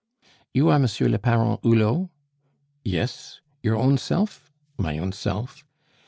"You are Monsieur de Paron Hulot?" "Yes." "Your own self?" "My own self."